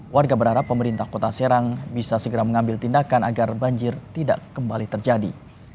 warga berharap pemerintah kota serang bisa segera mengambil tindakan agar banjir tidak kembali terjadi